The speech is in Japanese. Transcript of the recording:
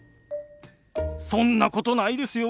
そんなことないですよ。